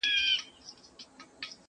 وعده پر رسېدو ده څوک به ځي څوک به راځي؛